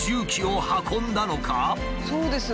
そうですよ。